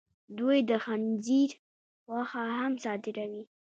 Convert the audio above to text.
دوی د خنزیر غوښه هم صادروي.